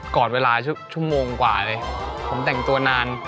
ก่อนเวลาชั่วโมงกว่าเลยผมแต่งตัวนาน